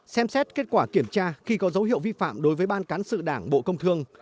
xem xét kết quả kiểm tra khi có dấu hiệu vi phạm đối với ban cán sự đảng bộ công thương